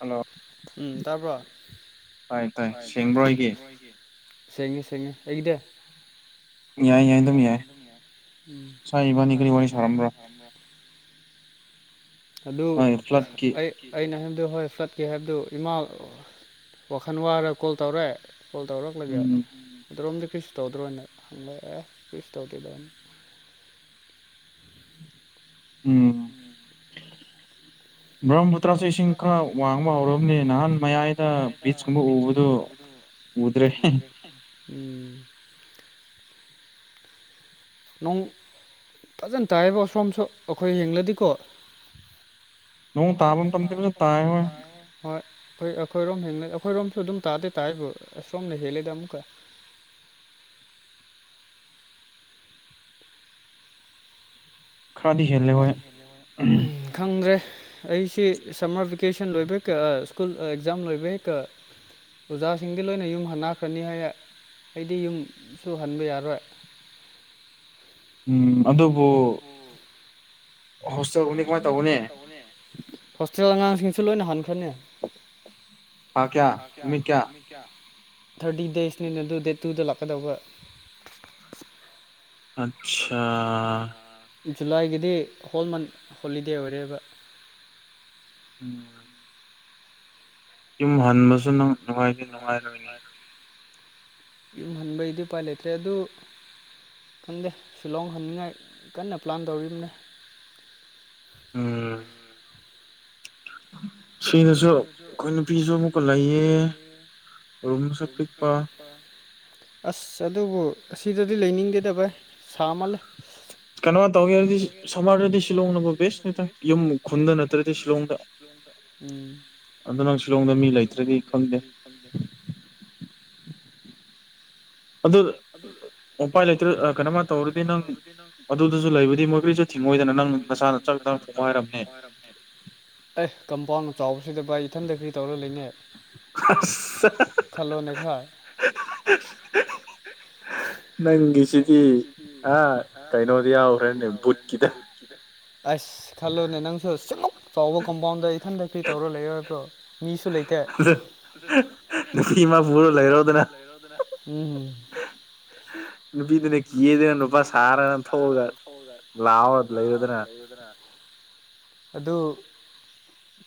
Hello um ꯇꯥꯕ꯭ꯔꯣ ꯇꯥꯏ ꯇꯥꯏ ꯁꯦꯡꯕ꯭ꯔꯣ ꯑꯩꯒꯤ ꯁꯦꯡꯉꯦ ꯁꯦꯡꯉꯦ ꯑꯩꯒꯤꯗꯤ ꯌꯥꯏ ꯌꯥꯏ ꯑꯗꯨꯝ ꯌꯥꯏ ꯁꯥꯏ ꯏꯕꯥꯅꯤ ꯀꯔꯤ ꯋꯥꯔꯤ ꯁꯥꯔꯝꯕ꯭ꯔꯣ ꯑꯗꯨ ꯑꯩ ꯑꯩꯅ ꯍꯥꯏꯕꯗꯨ ꯍꯣꯏ ꯐꯠꯇꯦ ꯍꯥꯏꯕꯗꯨ ꯏꯃꯥ ꯋꯥꯈꯜ ꯋꯥꯔꯥ ꯀꯣꯜ ꯇꯧꯔꯦ ꯀꯣꯜ ꯇꯧꯔꯛꯂꯒ ꯑꯗꯣꯔꯣꯝꯗꯤ ꯀ꯭ꯔꯤꯁꯨ ꯇꯧꯗ꯭ꯔꯣꯅ ꯍꯪꯂꯛꯑꯦ ꯀ꯭ꯔꯤꯁꯨ ꯇꯧꯗꯦꯗ ꯎꯝ ꯕ꯭ꯔꯝꯄꯨꯇ꯭ꯔꯥꯁꯨ ꯏꯁꯤꯡ ꯈꯔ ꯋꯥꯡꯕ ꯍꯧꯔꯕꯅꯤ ꯅꯍꯥꯟ ꯃꯌꯥꯏꯗ ꯕꯤꯆꯀꯨꯝꯕ ꯎꯕꯗꯨ ꯎꯗ꯭ꯔꯦ ꯎꯝ ꯅꯣꯡ ꯐꯖꯅ ꯇꯥꯏꯕ ꯁꯣꯝꯁꯨ ꯑꯩꯈꯣꯏ ꯌꯦꯡꯂꯦꯗꯤꯀꯣ ꯅꯣꯡ ꯇꯥꯕ ꯃꯇꯝꯗꯤ ꯐꯖꯟ ꯇꯥꯏ ꯍꯣꯏ ꯍꯣꯏ ꯑꯩꯈꯣꯏ ꯑꯩꯈꯣꯏꯔꯣꯝ ꯍꯦꯡꯅ ꯑꯩꯈꯣꯏꯔꯣꯝꯁꯨ ꯑꯗꯨꯝ ꯇꯥꯗꯤ ꯇꯥꯏꯕꯨ ꯑꯁ ꯁꯣꯝꯅ ꯍꯦꯂꯦꯗ ꯑꯃꯨꯛꯀꯥ ꯎꯝ ꯈꯪꯗ꯭ꯔꯦ ꯑꯩꯁꯤ ꯁꯝꯃꯔ ꯚꯦꯀꯦꯁꯟ ꯂꯣꯏꯕ ꯀꯥ ꯁ꯭ꯀꯨꯜ ꯑꯦꯛꯖꯥꯝ ꯂꯣꯏꯕꯩꯩ ꯀꯥ ꯑꯣꯖꯥꯁꯤꯡꯗꯤ ꯂꯣꯏꯅ ꯌꯨꯝ ꯍꯟꯅꯈ꯭ꯔꯅꯤ ꯍꯥꯏꯌꯦ ꯑꯩꯗꯤ ꯌꯨꯝꯁꯨ ꯍꯟꯕ ꯌꯥꯔꯣꯏ ꯎꯝ ꯑꯗꯨꯕꯨ ꯑꯣ ꯍꯣꯁꯇꯦꯜꯒꯨꯝꯕꯗꯤ ꯀꯃꯥꯏꯟ ꯇꯧꯒꯅꯤ ꯍꯣꯁꯇꯦꯜ ꯑꯉꯥꯡꯁꯤꯡꯁꯨ ꯂꯣꯏꯅ ꯍꯟꯈ꯭ꯔꯅꯤ ꯊꯥꯔꯇꯤ ꯗꯦꯖꯅꯤꯅ ꯑꯗꯨ ꯗꯦꯠ ꯇꯨꯗ ꯂꯥꯛꯀꯗꯧꯕ ꯑꯠꯁꯥ ꯖꯨꯂꯥꯏꯒꯤꯗꯤ ꯍꯣꯜ ꯃꯟ ꯍꯣꯂꯤꯗꯦ ꯑꯣꯏꯔꯦꯕ ꯎꯝ ꯌꯨꯝ ꯍꯟꯕꯁꯨ ꯅꯪ ꯌꯨꯝ ꯍꯟꯕꯩꯗꯤ ꯎꯄꯥꯏ ꯂꯩꯇ꯭ꯔꯦ ꯑꯗꯨ ꯈꯪꯗꯦ ꯁꯤꯂꯣꯡ ꯍꯟꯅꯤꯉꯥꯏ ꯀꯟꯅ ꯄ꯭ꯂꯥꯟ ꯇꯧꯔꯤꯕꯅꯦ ꯎꯝ ꯁꯤꯗꯁꯨ ꯑꯩꯈꯣꯏ ꯅꯨꯄꯤꯁꯨ ꯑꯃꯨꯛꯀꯥ ꯂꯩꯌꯦ ꯔꯨꯝꯁꯨ ꯄꯤꯛꯄ ꯑꯁ ꯑꯗꯨꯕꯨ ꯑꯁꯤꯗꯗꯤ ꯂꯩꯅꯤꯡꯗꯦꯗ ꯚꯥꯏ ꯁꯥꯃꯥꯜꯂꯦ ꯀꯩꯅꯣ ꯇꯧꯒꯦ ꯍꯥꯏꯔꯗꯤ ꯁꯝꯃꯔꯗꯗꯤ ꯁꯤꯂꯣꯡꯅꯕꯨ ꯕꯦꯁꯅꯦꯠꯇ ꯌꯨꯝ ꯈꯨꯟꯗ ꯅꯠꯇ꯭ꯔꯗꯤ ꯁꯤꯂꯣꯡꯗ ꯎꯝ ꯑꯗꯣ ꯅꯪ ꯁꯤꯂꯣꯡꯗ ꯃꯤ ꯂꯩꯇ꯭ꯔꯗꯤ ꯈꯪꯗꯦ ꯑꯗꯨꯗ ꯑꯗꯨ ꯎꯄꯥꯏ ꯂꯩꯇ꯭ꯔ ꯀꯩꯅꯝꯃ ꯇꯧꯔꯗꯤ ꯅꯪ ꯑꯗꯨꯗꯁꯨ ꯂꯩꯕꯗꯤ ꯃꯣꯏ ꯀꯔꯤꯁꯨ ꯊꯤꯡꯉꯣꯏꯗꯅ ꯅꯪ ꯅꯁꯥꯅ ꯃꯊꯪ ꯃꯊꯪ ꯅꯪ ꯄꯥꯏꯔꯕꯅꯤꯅ ꯑꯦ ꯀꯝꯄꯥꯎꯟ ꯆꯥꯎꯕꯁꯤꯗ ꯚꯥꯏ ꯏꯊꯟꯗ ꯀꯔꯤ ꯇꯧꯔꯥ ꯂꯩꯅꯤ ꯑꯁ [unintelligible] ꯅꯪꯒꯤꯁꯤꯗꯤ ꯑ ꯀꯩꯅꯣꯗꯤ ꯌꯥꯎꯒ꯭ꯔꯅꯦ ꯕꯨꯠꯀꯤꯗ꯫ ꯑꯁ ꯈꯜꯂꯨꯅꯦ ꯅꯪꯁꯨ ꯁꯨꯛ ꯆꯥꯎꯕ ꯀꯣꯝꯄꯥꯎꯟꯗ ꯏꯊꯟꯗ ꯀꯔꯤ ꯇꯧꯔ ꯂꯩꯌꯣ ꯍꯥꯏꯕꯔꯣ꯫ ꯃꯤꯁꯨ ꯂꯩꯇꯦ꯫ ꯅꯨꯄꯤ ꯃꯔꯛꯇꯨꯗ ꯂꯩꯔꯣꯗꯅ ꯎꯝ꯫ ꯅꯨꯄꯤꯗꯨꯅ ꯀꯤꯌꯦꯗꯅ ꯅꯨꯄꯥ ꯁꯥꯔꯒ ꯊꯣꯛꯑꯒ ꯂꯥꯛꯑꯣ ꯂꯩꯔꯨꯗꯅ ꯂꯩꯌꯨꯗꯅ꯫ ꯑꯗꯨ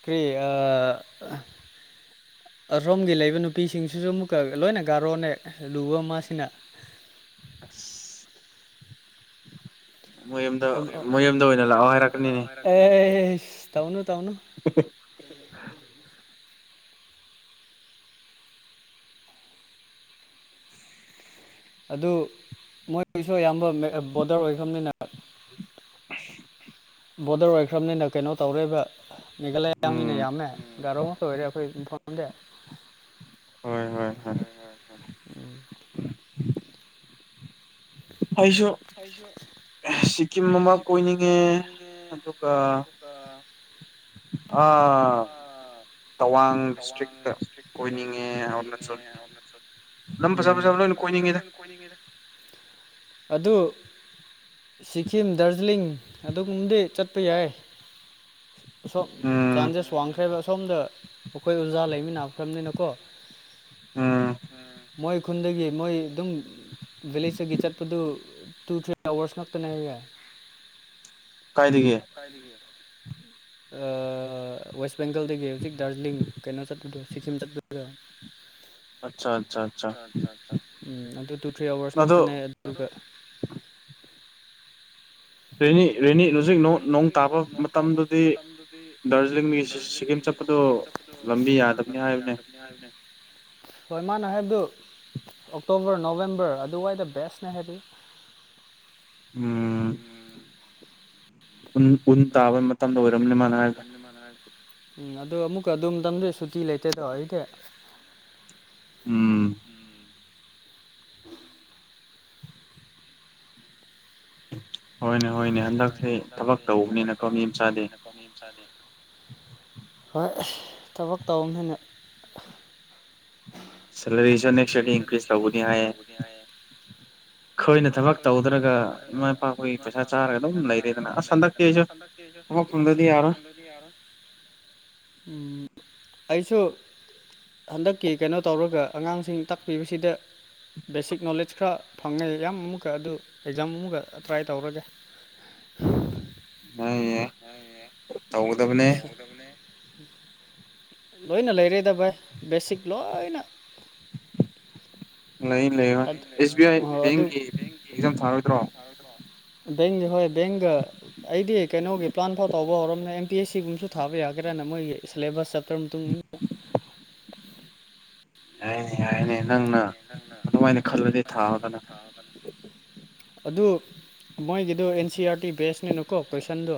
ꯀꯔꯤ ꯑ ꯑꯁꯣꯝꯒꯤ ꯂꯩꯕ ꯅꯨꯄꯤꯁꯤꯡꯁꯤꯁꯨ ꯑꯃꯨꯛꯀ ꯂꯣꯏꯅ ꯒꯥꯔꯣꯅꯦ ꯂꯨꯕ ꯃꯥꯁꯤꯅ꯫ [unintelligible] ꯃꯌꯨꯝꯗ ꯃꯌꯨꯝꯗ ꯑꯣꯏꯅ ꯂꯥꯛꯑꯣ ꯍꯥꯏꯔꯛꯀꯅꯤꯅꯦ꯫ ꯑꯦꯁ ꯇꯧꯅꯨ ꯇꯧꯅꯨ꯫ [unintelligible] ꯑꯗꯨ ꯃꯣꯏ ꯁꯨ ꯑꯌꯥꯝꯕ ꯕꯣꯔꯗꯔ ꯑꯣꯏꯈ꯭ꯔꯅꯤꯅ [unintelligible] ꯕꯣꯗꯔ ꯑꯣꯏꯈ꯭ꯔꯕꯅꯤꯅ ꯀꯩꯅꯣ ꯇꯧꯔꯦꯕ ꯃꯦꯒꯥꯂꯌꯥ ꯃꯤꯅ ꯌꯥꯝꯃꯦ꯫ ꯒꯥꯔꯣ ꯉꯥꯛꯇ ꯑꯣꯏꯔꯦ ꯑꯩꯈꯣꯏ ꯃꯐꯝꯗꯤ꯫ ꯍꯣꯏꯕ ꯍꯣꯏ ꯍꯣꯏ ꯍꯣꯏ ꯎꯝ ꯑꯩꯩꯁꯨ꯫ ꯑꯩꯖꯨ ꯁꯤꯀꯤꯝ ꯑꯃ ꯀꯣꯏꯅꯤꯡꯉꯦ ꯑꯗꯨꯒ ꯑ꯫ ꯑ ꯇꯋꯥꯡ ꯗꯤꯁꯇ꯭ꯔꯤꯛꯇ ꯀꯣꯏꯅꯤꯡꯉꯦ ꯑꯔꯨꯅꯥꯆꯜꯒꯤ꯫ ꯂꯝ ꯐꯖꯥ ꯐꯖꯥꯕ ꯂꯣꯏꯅ ꯀꯣꯏꯅꯤꯡꯉꯤꯗ꯫ ꯀꯣꯏꯅꯤꯡꯉꯤꯗ꯫ ꯑꯗꯨ ꯁꯤꯀꯤꯝ ꯗꯥꯔꯖꯤꯂꯤꯡ ꯑꯗꯨꯒꯨꯝꯕꯗꯤ ꯆꯠꯄ ꯌꯥꯏ ꯑꯁꯣ ꯆꯥꯟꯖꯦꯁ ꯋꯥꯡꯈ꯭ꯔꯦꯕ ꯑꯁꯣꯝꯗ ꯑꯩꯈꯣꯏ ꯑꯣꯖꯥ ꯂꯩꯃꯤꯟꯅꯈ꯭ꯔꯝꯅꯤꯅꯀꯣ꯫ ꯎꯝ ꯃꯣꯏ ꯈꯨꯟꯗꯒꯤ ꯃꯣꯏ ꯑꯗꯨꯝ ꯚꯦꯂꯦꯖꯇꯒꯤ ꯆꯠꯄꯗꯨ ꯇꯨ ꯊ꯭ꯔꯤ ꯑꯋꯔꯁ ꯉꯛꯇꯅꯦ ꯌꯥꯏꯌꯦ꯫ ꯀꯥꯏꯗꯒꯤ꯫ ꯀꯥꯏꯗꯒꯤ꯫ ꯑ ꯋꯦꯁ ꯕꯦꯡꯒꯜꯗꯒꯤ ꯍꯧꯖꯤꯛ ꯗꯥꯔꯖꯤꯂꯤꯡ ꯀꯩꯅꯣ ꯆꯠꯄꯗꯣ ꯁꯤꯀꯤꯝ ꯆꯠꯄꯗ꯫ ꯑꯠꯆ ꯑꯠꯆ ꯎꯝ ꯑꯗꯨ ꯇꯨ ꯊ꯭ꯔꯤ ꯑꯋꯥꯔꯁ ꯉꯛꯇꯅꯦ ꯑꯗꯨꯒ ꯔꯦꯅꯤ ꯔꯦꯅꯤ ꯍꯧꯖꯤꯛ ꯅꯣ ꯅꯣꯡ ꯇꯥꯕ ꯃꯇꯝꯗꯨꯗꯤ ꯗꯥꯔꯖꯤꯂꯤꯡꯒꯤ ꯁꯤꯀꯤꯝ ꯆꯠ ꯗꯣ ꯂꯝꯕꯤ ꯌꯥꯗꯕꯅꯤ ꯍꯥꯏꯕꯅꯦ꯫ ꯍꯥꯏꯕꯅꯦ꯫ ꯍꯣꯏ ꯃꯥꯅ ꯍꯥꯏꯕꯗꯨ ꯑꯣꯛꯇꯣꯕꯔ ꯅꯣꯕꯦꯝꯕꯔ ꯑꯗꯨꯋꯥꯏꯗ ꯕꯦꯁꯅꯦ ꯍꯥꯏꯕꯅꯦ꯫ ꯎꯝ ꯎꯝ ꯎꯟ ꯇꯥꯕ ꯃꯇꯝꯗ ꯑꯣꯏꯔꯝꯅꯤ ꯃꯅꯥ ꯍꯥꯏꯗꯣ꯫ ꯎꯝ ꯑꯗꯣ ꯑꯃꯨꯛꯀ ꯑꯗꯨꯝ ꯃꯇꯝꯗꯨ ꯁꯨꯇꯤ ꯂꯩꯇꯦꯗꯣ ꯑꯩꯗꯤ꯫ ꯎꯝ꯫ [inaudible] ꯍꯣꯏꯅꯦ ꯍꯣꯏꯅꯦ ꯍꯟꯗꯛꯁꯦ ꯊꯕꯛ ꯇꯧꯕꯅꯤꯅꯀꯣ ꯃꯤ ꯃꯥꯆꯥꯗꯤ ꯍꯣꯏ ꯊꯕꯛ ꯇꯧꯕꯅꯤꯅ ꯁꯦꯂꯥꯔꯤꯁꯨꯅꯦ [unintelligible] ꯇꯧꯒꯅꯤ ꯍꯥꯏꯌꯦ ꯈꯣꯏꯅ ꯊꯕꯛ ꯇꯧꯗ꯭ꯔꯒ ꯏꯃꯥ ꯏꯄꯥ ꯈꯣꯏꯒꯤ ꯄꯩꯁꯥ ꯆꯥꯔꯒ ꯑꯗꯨꯝ ꯂꯩꯔꯦꯗꯅ ꯑꯁ ꯍꯟꯗꯛꯇꯤ ꯑꯩꯁꯨ ꯊꯕꯛ ꯐꯪꯗꯗꯤ ꯌꯥꯔꯣꯏ ꯗꯤ ꯌꯥꯔꯣꯏ ꯎꯝ ꯑꯩꯁꯨ ꯍꯟꯗꯛꯀꯤ ꯀꯩꯅꯣ ꯇꯧꯔꯒ ꯑꯉꯥꯡꯁꯤꯡ ꯇꯛ [unintelligible] ꯁꯤꯗ ꯕꯦꯁꯤꯛ ꯅꯣꯂꯦꯖ ꯈꯔ ꯐꯪꯉꯦ ꯑꯌꯥꯝ ꯑꯃꯨꯛꯀ ꯑꯗꯨ ꯑꯦꯛꯖꯥꯝ ꯑꯃꯨꯛꯀ ꯇ꯭ꯔꯥꯏ ꯇꯧꯔꯒꯦ [unintelligible] ꯌꯥꯏ ꯌꯥꯏ [unintelligible] ꯂꯣꯏꯅ ꯂꯩꯔꯦꯗ ꯚꯥꯏ ꯕꯦꯁꯤꯛ ꯂꯣꯏꯅ ꯂꯩ ꯂꯩ ꯚꯥꯏ ꯑꯦꯁ ꯕꯤ ꯑꯥꯏ ꯕꯦꯡꯒꯤ ꯑꯦꯛꯖꯥꯝ ꯊꯥꯔꯣꯏꯗ꯭ꯔꯣ ꯕꯦꯡꯀ ꯍꯣꯏ ꯕꯦꯡꯀ ꯑꯩꯗꯤ ꯀꯩꯅꯣꯒꯤ ꯄ꯭ꯂꯥꯟꯐꯥꯎ ꯇꯥꯎꯕ ꯍꯧꯔꯕꯝꯅꯦ ꯑꯦꯝ ꯄꯤ ꯑꯦꯁ ꯁꯤꯒꯨꯝꯕꯁꯨ ꯊꯥꯕ ꯌꯥꯒꯦꯔꯅ ꯃꯣꯏꯒꯤ ꯁꯤꯂꯦꯕꯁ ꯆꯦꯞꯇꯔ ꯃꯇꯨꯡ ꯌꯥꯏꯅꯦ ꯌꯥꯏꯅꯦ ꯅꯪꯅ ꯑꯗꯨꯃꯥꯏꯅ ꯈꯜꯂꯗꯤ ꯊꯥꯔꯣꯗꯅ ꯑꯗꯨ ꯃꯣꯏꯒꯤꯗꯣ ꯑꯦꯟ ꯁꯤ ꯑꯥꯔ ꯇꯤ ꯕꯦꯁꯅꯤꯅꯀꯣ ꯀꯣꯏꯁꯟꯗꯨ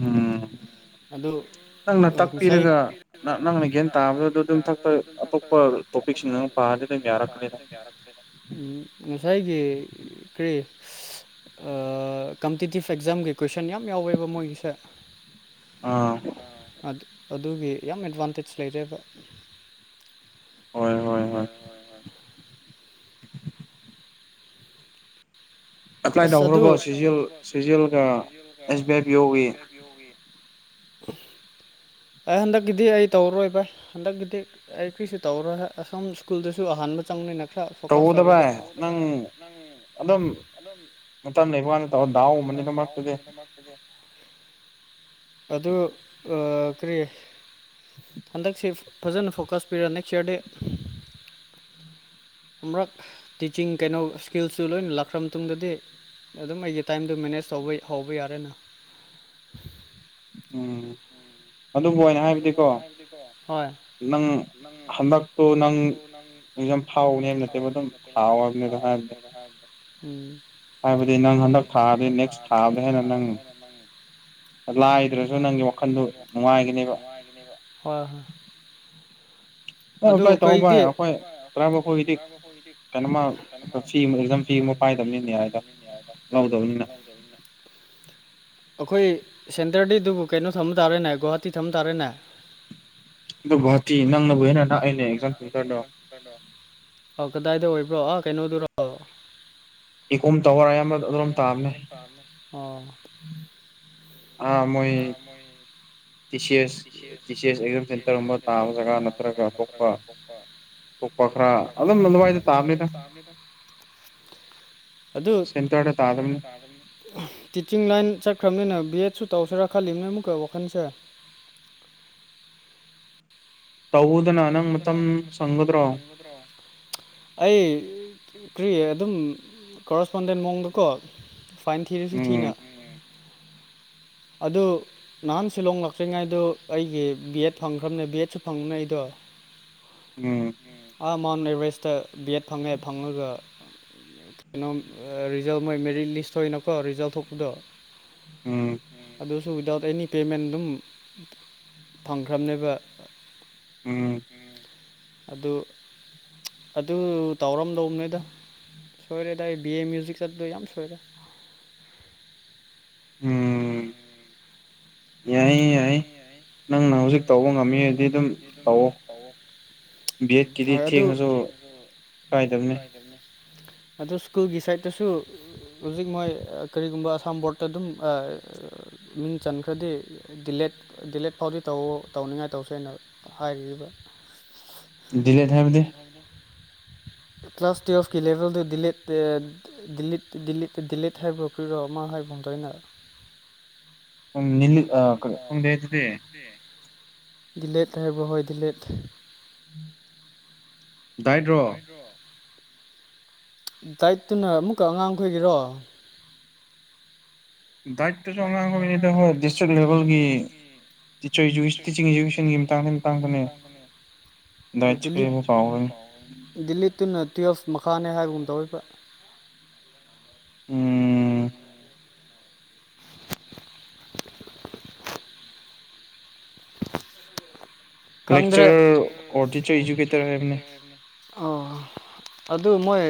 ꯎꯝ ꯑꯗꯨ ꯉꯁꯥꯏ [unintelligible] ꯑꯇꯣꯞꯄ ꯇꯣꯄꯤꯛꯁꯤꯡ ꯑꯃꯨꯛ ꯄꯥꯔꯗꯤ ꯌꯥꯔꯛꯀꯅꯤ ꯉꯁꯥꯏꯒꯤ ꯀꯔꯤ ꯑ ꯀꯝꯄꯤꯇꯤꯇꯤꯞ ꯑꯦꯛꯖꯥꯝꯒꯤ ꯀꯣꯏꯁꯟ ꯌꯥꯝ ꯌꯥꯎꯋꯦꯕ ꯃꯣꯏꯒꯤꯁꯦ ꯑꯥ ꯑꯗꯨꯒꯤ ꯌꯥꯝ ꯑꯦꯗꯚꯥꯟꯇꯦꯖ ꯂꯩꯔꯦꯕ ꯍꯣꯏ ꯍꯣꯏ ꯍꯣꯏ ꯑꯦꯄ꯭ꯂꯥꯏ ꯇꯧꯈ꯭ꯔꯕ C G L C G ꯑꯦꯜꯒ ꯑꯦꯁ ꯕꯤ ꯑꯥꯏ ꯄꯤ ꯌꯣꯒꯤ ꯑꯩ ꯍꯟꯗꯛꯀꯤꯗꯤ ꯑꯩ ꯇꯧꯔꯔꯣꯏ ꯚꯥꯏ ꯍꯟꯗꯛꯀꯤꯗꯤ ꯑꯩ [unintelligible] ꯑꯁꯣꯝ ꯁ꯭ꯀꯨꯜꯗꯁꯨ ꯑꯍꯥꯟꯕ ꯆꯪꯕꯅꯤꯅ ꯇꯧꯑꯣꯗ ꯚꯥꯏ ꯅꯪ ꯑꯗꯨꯝ ꯃꯇꯝ ꯂꯩꯕꯀꯥꯟꯗ [unintelligible] ꯑꯗꯨ ꯑ ꯀꯔꯤ ꯍꯟꯗꯛꯁꯤ ꯐꯖꯅ ꯐꯣꯀꯁ ꯄꯤꯔꯒ ꯅꯦꯛꯁ ꯏꯌꯥꯔꯗꯦ ꯑꯃꯔꯛ ꯇꯤꯆꯤꯡ ꯀꯩꯅꯣ ꯏꯁꯀꯤꯜꯁꯨ ꯂꯣꯏꯅ ꯂꯥꯛꯈ꯭ꯔ ꯃꯇꯨꯡꯗꯗꯤ ꯑꯗꯨꯝ ꯑꯩꯒꯤ ꯇꯥꯏꯝꯗꯣ ꯃꯦꯅꯦꯖ ꯇꯧꯕ ꯍꯧꯕ ꯌꯥꯔꯦꯅ ꯎꯝ ꯑꯗꯨꯕꯨ ꯑꯩ ꯍꯥꯏꯕꯗꯤꯀꯣ ꯅꯪ ꯅꯪ ꯍꯟꯗꯛꯇꯨ ꯅꯪ ꯑꯗꯨꯝ ꯐꯥꯎꯅꯦ ꯅꯠꯇ ꯑꯗꯨꯝ ꯍꯥꯎꯅꯤꯗ ꯍꯥꯏꯕꯗ ꯎꯝ ꯍꯥꯏꯕꯗꯤ ꯅꯪ ꯍꯟꯗꯛ ꯊꯥꯔꯗꯤ ꯅꯦꯛꯁ ꯊꯥꯕꯗ ꯍꯦꯟꯅ ꯅꯪ ꯂꯥꯏꯗ꯭ꯔꯁꯨ ꯅꯪꯒꯤ ꯋꯥꯈꯜꯗ ꯅꯨꯡꯉꯥꯏꯒꯅꯦꯕ ꯍꯣꯏ ꯍꯣꯏ [unintelligible] ꯇꯧꯑꯣ ꯚꯥꯏ ꯑꯩꯈꯣꯏ ꯇꯔꯥꯕꯦꯜꯈꯣꯏꯒꯤꯗꯤ [unintelligible] ꯀꯩꯅꯣꯃ [unintelligible] ꯐꯤ ꯑꯃ ꯑꯦꯛꯖꯥꯝ ꯐꯤ ꯑꯃ ꯄꯥꯏꯗꯕꯅꯤꯅꯦ ꯍꯥꯏꯗ ꯂꯧꯗꯕꯅꯤꯅ ꯑꯩꯈꯣꯏ ꯁꯦꯟꯇꯔꯗꯤ ꯑꯗꯨꯕꯨ ꯀꯩꯅꯣ ꯊꯝꯕ ꯇꯥꯔꯦꯅꯦ ꯒꯧꯍꯥꯇꯤ ꯊꯝꯕ ꯇꯥꯔꯦꯅꯦ ꯑꯗꯨ ꯒꯨꯍꯥꯇꯤ ꯅꯪꯅꯕꯨ ꯍꯦꯟꯅ ꯅꯛꯑꯦꯅꯦ ꯑꯦꯛꯖꯥꯝ ꯁꯦꯟꯇꯔꯗꯣ ꯑꯣ ꯀꯗꯥꯏꯗ ꯑꯣꯏꯕ꯭ꯔꯣ ꯑ ꯀꯩꯅꯣꯗꯨꯔꯣ [unintelligible] ꯑꯣ ꯑꯥ ꯃꯣꯏ T C S T C S exam centre ꯑꯃ ꯇꯥꯕ ꯖꯒꯥ ꯅꯠꯇ꯭ꯔꯒ ꯑꯇꯣꯞꯄ [unintelligible] ꯇꯣꯛꯄ ꯈꯔ ꯑꯗꯨꯝ ꯑꯗꯨꯋꯥꯏꯗ ꯇꯥꯕꯅꯤꯗ [unintelligible] ꯑꯗꯨ [unintelligible] ꯀꯥꯕꯅꯤ ꯇꯤꯆꯤꯡ ꯂꯥꯏꯟ ꯆꯠꯈ꯭ꯔꯕꯅꯤꯅ ꯕꯤ ꯑꯦꯗꯁꯨ ꯇꯧꯁꯤꯔꯥ ꯈꯜꯂꯤꯝꯅꯦ ꯑꯃꯨꯛꯀꯥ ꯋꯥꯈꯜꯁꯦ ꯇꯧꯋꯣꯗꯅ ꯅꯪ ꯃꯇꯝ ꯁꯪꯒꯗ꯭ꯔꯣ ꯑꯩ ꯀ꯭ꯔꯤ ꯑꯗꯨꯝ ꯀꯣꯔꯣꯁꯄꯣꯟꯗꯦꯟ ꯃꯑꯣꯡꯗꯀꯣ ꯐꯥꯏꯟ ꯊꯤꯔꯁꯨ ꯊꯤꯅ ꯑꯗꯨ ꯅꯍꯥꯟ ꯁꯤꯂꯣꯡ ꯂꯥꯛꯇ꯭ꯔꯤꯉꯩꯗꯨ ꯑꯩꯒꯤ ꯕꯤ ꯑꯦꯗ ꯐꯪꯈ꯭ꯔꯕꯅꯦ ꯕꯤ ꯑꯦꯗꯁꯨ ꯐꯪꯕꯅꯦ ꯑꯩꯗꯣ [inaudible] ꯎꯝ ꯑꯥ ꯃꯥꯎꯟ ꯑꯦꯕꯔꯦꯁꯇꯥ ꯕꯤ ꯑꯦꯗ ꯐꯪꯉꯦ ꯐꯪꯉꯒ ꯀꯩꯅꯣ ꯔꯤꯖꯜ ꯃꯣꯏ ꯃꯦꯔꯤꯠ ꯂꯤꯁ ꯊꯣꯛꯏꯅꯀꯣ ꯔꯤꯖꯜꯠ ꯊꯣꯛꯄꯗꯣ ꯎꯝ ꯑꯗꯨꯁꯨ ꯋꯤꯗꯥꯎꯠ ꯑꯦꯅꯤ ꯄꯦꯃꯦꯟ ꯑꯗꯨꯝ ꯐꯪꯈ꯭ꯔꯕꯅꯦꯕ ꯎꯝ ꯑꯗꯨ ꯑꯗꯨ ꯇꯥꯎꯔꯝꯗꯧꯅꯦꯗ ꯁꯣꯏꯔꯦ ꯗꯥ ꯑꯩ ꯕꯤ ꯑꯦ ꯃ꯭ꯌꯨꯖꯤꯛ ꯆꯠꯄꯗꯣ ꯌꯥꯝ ꯁꯣꯏꯔꯦ ꯎꯝ ꯌꯥꯏꯌꯦ ꯌꯥꯏ ꯅꯪꯅ ꯍꯧꯖꯤꯛ ꯇꯧꯕ ꯉꯝꯃꯤꯔꯗꯤ ꯑꯗꯨꯝ ꯇꯧꯑꯣ ꯕꯤ ꯑꯦꯠꯀꯤꯗꯤ ꯊꯦꯡꯉꯁꯨ ꯑꯗꯨ ꯁ꯭ꯀꯨꯜꯒꯤ ꯁꯥꯏꯠꯇꯁꯨ ꯍꯧꯖꯤꯛ ꯃꯣꯏ ꯀꯔꯤꯒꯨꯝꯕ ꯑꯁꯥꯝ ꯕꯣꯔꯠꯇ ꯑꯗꯨꯝ ꯃꯤꯡ ꯆꯟꯈ꯭ꯔꯗꯤ ꯗꯤꯂꯦꯠ ꯗꯤꯂꯦꯠ ꯐꯥꯎꯗꯤ ꯇꯧꯋꯣ ꯇꯧꯅꯤꯡꯉꯥꯏ ꯇꯧꯁꯦꯅ ꯍꯥꯏꯔꯤꯕ ꯗꯤꯂꯦꯠ ꯍꯥꯏꯕꯗꯤ ꯀ꯭ꯂꯥꯁ ꯇꯨꯌꯦꯜꯞꯀꯤ ꯂꯦꯚꯦꯜꯗ ꯗꯤꯂꯦꯠ ꯑꯥ ꯗꯤꯂꯤꯠ ꯗꯤꯂꯤꯠ ꯗꯤꯂꯦꯠ ꯍꯥꯏꯕ꯭ꯔꯣ ꯀ꯭ꯔꯤꯔꯣ ꯑꯃ ꯍꯥꯏꯕꯒꯨꯝ ꯇꯧꯋꯤꯅ ꯎꯝ ꯅꯤꯂꯤꯠ ꯑꯥ ꯗꯤꯂꯦꯠ ꯍꯥꯏꯕ ꯍꯣꯏ ꯗꯤꯂꯦꯠ ꯗꯥꯏꯗ꯭ꯔꯣ ꯗꯥꯏꯠꯇꯨꯅ ꯑꯃꯨꯛꯀꯥ ꯑꯉꯥꯡꯈꯣꯏꯒꯤꯔꯣ ꯗꯥꯏꯠꯇꯨꯁꯨ ꯑꯉꯥꯡ ꯍꯣꯏꯅꯤꯗ ꯗꯤꯁꯇ꯭ꯔꯤꯛ ꯂꯦꯚꯦꯜꯒꯤ ꯇꯤꯆꯔ ꯏꯖꯨ ꯇꯤꯆꯤꯡ ꯏꯖꯨꯀꯦꯁꯟꯒꯤ ꯃꯇꯥꯡꯗꯩ ꯃꯇꯥꯡꯗꯅꯦ ꯗꯥꯏꯠ [unintelligible] ꯀꯥꯎꯒꯅꯤ ꯗꯤꯂꯤꯠꯇꯨꯅ ꯇꯨꯌꯦꯜꯐ ꯃꯈꯥꯅꯦ ꯍꯥꯏꯕꯒꯨꯝ ꯇꯧꯋꯤꯕ ꯎꯝ ꯈꯪꯗ꯭ꯔꯦ ꯑꯣ ꯑꯗꯨ ꯃꯣꯏ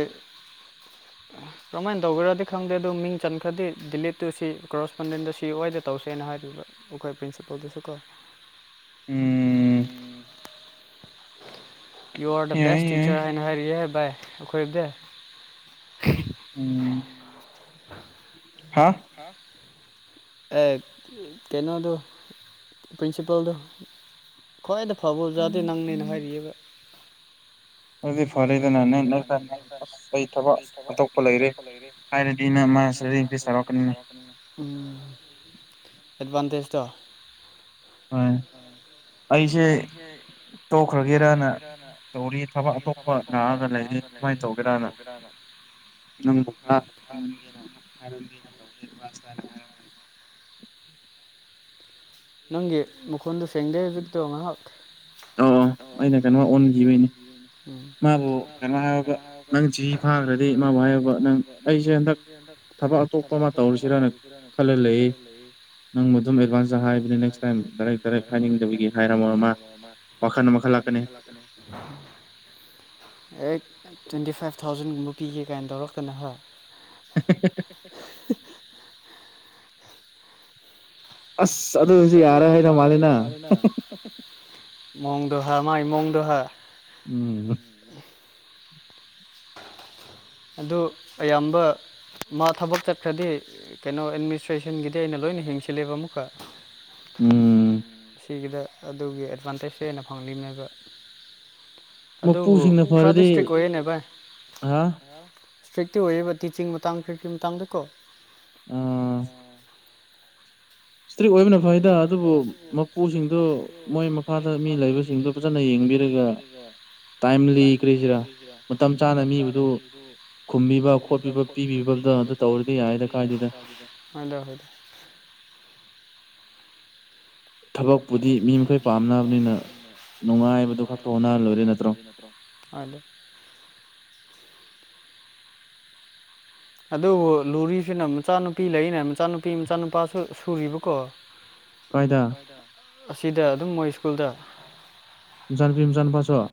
ꯀꯃꯥꯏꯟ ꯇꯧꯒꯦꯔꯗꯤ ꯈꯪꯗꯦ ꯑꯗꯨ ꯃꯤꯡ ꯆꯟꯈ꯭ꯔꯗꯤ ꯗꯤꯂꯤꯠꯇꯨ ꯁꯤ ꯀꯣꯔꯣꯁꯄꯣꯟꯗꯦꯟꯗꯣ ꯁꯤ ꯑꯣꯏꯗ ꯇꯧꯁꯦꯅ ꯍꯥꯏꯔꯤꯕ ꯑꯣꯈꯥꯏ ꯄꯔꯤꯟꯁꯤꯄꯜꯗꯁꯨꯀꯣ ꯎꯝ ꯌꯨ ꯑꯥꯔ ꯗꯥ ꯕꯦꯁ ꯇꯤꯆꯔ ꯍꯥꯏ ꯍꯥꯢꯔꯛꯑꯦꯍꯦ ꯚꯥꯏ ꯑꯩꯈꯣꯏ [unintelligible] ꯎꯝ [inaudible] ꯍꯥ ꯍꯥ ꯑꯦ ꯀꯩꯅꯣꯗꯣ ꯄ꯭ꯔꯤꯟꯁꯤꯄꯥꯜꯗꯣ ꯈ꯭ꯋꯥꯏꯗ ꯐꯕ ꯑꯣꯖꯥꯗꯤ ꯅꯪꯅꯦꯅ ꯍꯥꯏꯔꯤꯕ ꯑꯗꯨꯗꯤ ꯐꯔꯦꯗꯅ ꯅꯪꯅ [unintelligible] ꯑꯩ ꯊꯕꯛ ꯑꯇꯣꯞꯄ ꯂꯩꯔꯦ ꯍꯥꯏꯔꯗꯤ ꯅ ꯃꯥ ꯁꯣꯏꯔꯩꯀꯩ ꯁꯥꯎꯔꯛꯀꯅꯤꯅꯦ ꯎꯝ ꯑꯦꯗꯚꯥꯟꯇꯦꯖꯇꯣ ꯃꯥꯅꯦ ꯑꯩꯁꯦ ꯊꯣꯛꯈ꯭ꯔꯥꯁꯤꯔꯕ ꯇꯧꯔꯤꯌꯦ ꯊꯕꯛ ꯑꯇꯣꯞꯄ ꯂꯥꯛꯑꯒ [unintelligible] ꯀꯃꯥꯏ ꯇꯧꯒꯦꯔꯅ [inaudible] ꯅꯪꯒꯤ ꯃꯈꯣꯟꯗꯣ ꯁꯦꯡꯗꯦ ꯍꯧꯖꯤꯛꯇꯣ ꯉꯥꯍꯥꯛ ꯑꯩꯅ ꯀꯩꯅꯣ ꯑꯣꯟꯈꯤꯕꯩꯅꯦ ꯎꯝ ꯃꯥꯕꯨ ꯀꯩꯅꯣ [unintelligible] [inaudible] ꯊꯕꯛ ꯑꯇꯣꯞꯄ ꯑꯃ ꯇꯧꯔꯤꯁꯤꯔꯅ ꯈꯜꯂꯥ ꯂꯩꯌꯦ ꯅꯪꯕꯨ ꯑꯗꯨꯝ ꯑꯦꯗꯚꯥꯟꯁꯇ ꯍꯥꯏꯕꯅꯤ ꯅꯦꯛꯁ ꯇꯥꯏꯝ ꯗꯥꯏꯔꯦꯛ ꯗꯥꯢꯔꯦꯛ ꯍꯥꯏꯅꯤꯡꯗꯕꯒꯤ ꯍꯥꯏꯔꯝ ꯃꯥꯔꯣꯢ ꯃꯥ ꯋꯥꯈꯜ ꯑꯃ ꯈꯜꯂꯥꯛꯀꯅꯤ ꯑꯦ ꯇ꯭ꯋꯦꯟꯇꯤ ꯐꯥꯏꯚ ꯊꯥꯎꯖꯟꯒꯨꯝꯕ ꯄꯤꯒꯦ ꯀꯥꯏꯅ ꯇꯧꯔꯛꯇꯅ ꯍꯣꯢ [inaudible] ꯑꯁ ꯑꯗꯨ ꯑꯣꯏꯁꯨ ꯌꯥꯔ ꯔꯣꯢꯗꯧ ꯃꯥꯜꯂꯤꯅ ꯃꯑꯣꯡꯗꯣ ꯍꯥ ꯃꯥꯏ ꯃꯑꯣꯡꯗꯣ ꯍꯥ ꯎꯝ ꯑꯗꯨ ꯑꯌꯥꯝꯕ ꯃꯥ ꯊꯕꯛ ꯆꯠꯈ꯭ꯔꯗꯤ ꯀꯩꯅꯣ ꯑꯦꯗꯃꯤꯅꯤꯁꯇ꯭ꯔꯦꯁꯟꯒꯤꯗꯤ ꯑꯩꯅ ꯂꯣꯏꯅ ꯌꯦꯡꯁꯤꯜꯂꯦꯕ ꯑꯃꯨꯛꯀ ꯁꯤꯒꯤꯗ ꯑꯗꯨꯒꯤ ꯑꯦꯗꯚꯥꯟꯇꯦꯖꯁ ꯍꯦꯟꯅ ꯐꯪꯅꯤꯡꯉꯤꯅꯦꯕ ꯑꯗꯨꯕꯨ ꯈꯥꯔꯗꯤ ꯁꯇ꯭ꯔꯤꯛ ꯑꯣꯏꯌꯦꯅꯦ ꯚꯥꯏ ꯍꯥ ꯁꯇ꯭ꯔꯤꯛꯇꯤ ꯑꯣꯏꯕ ꯇꯤꯆꯤꯡ ꯃꯥꯇꯥꯡ [unintelligible] ꯃꯇꯥꯡꯗꯀꯣ ꯎꯝ [unintelligible] [unintelligible] ꯇꯥꯏꯝꯂꯤ ꯀꯔꯤ ꯍꯥꯢꯁꯤꯔ ꯃꯇꯝ ꯆꯥꯅ ꯃꯤꯕꯨꯗꯨ ꯈꯨꯝꯕꯤꯕ ꯈꯣꯠꯄꯤꯕ ꯄꯤꯕꯤꯕꯗꯣ ꯑꯗꯨ ꯇꯧꯔꯗꯤ ꯌꯥꯏꯗ ꯀꯥꯏꯗꯦꯗ ꯍꯣꯏꯗ ꯍꯣꯏꯗ ꯊꯕꯛꯄꯨꯗꯤ ꯃꯤ ꯃꯈꯩ ꯄꯥꯝꯅꯕꯅꯤꯅ ꯅꯨꯡꯉꯥꯏꯕꯗꯨ ꯈꯛꯇ ꯍꯣꯠꯅꯔꯒ ꯂꯣꯏꯔꯦ ꯅꯠꯇ꯭ꯔꯣ [unintelligible] ꯑꯗꯨ ꯂꯨꯔꯤꯁꯤꯅ ꯃꯆꯥꯅꯨꯄꯤ ꯂꯩꯌꯦꯅꯦ ꯃꯆꯥꯅꯨꯄꯤ ꯃꯆꯥꯅꯨꯄꯥꯁꯨ ꯁꯨꯔꯤꯕꯀꯣ [inaudible] ꯀꯥꯏꯗ ꯑꯁꯤꯗ ꯑꯗꯨꯝ ꯃꯣꯏ ꯁ꯭ꯀꯨꯜꯗ ꯃꯆꯥꯅꯨꯄꯤ ꯃꯆꯥꯅꯨꯄꯥꯁꯨ